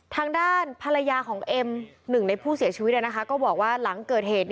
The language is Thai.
ทางด้านภรรยาของเอ็มหนึ่งในผู้เสียชีวิตก็บอกว่าหลังเกิดเหตุ